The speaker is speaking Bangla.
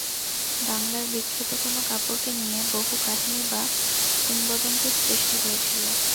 বাংলার বিখ্যাত কোন কাপড়কে নিয়ে বহু কাহিনি বা কিংবদন্তির সৃষ্টি হয়েছিল?